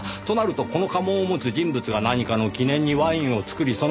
となるとこの家紋を持つ人物が何かの記念にワインを作り